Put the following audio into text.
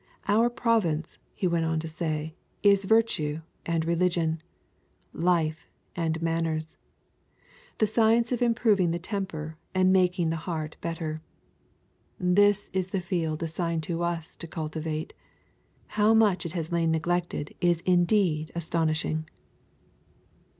Our province, he went on to say, is virtue and religion, life and manners: the science of improving the temper and making the heart better. This is the field assigned us to cultivate: how much it has lain neglected is indeed astonishing.